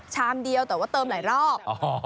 ชามเดียวแต่ว่าเติมหลายรอบ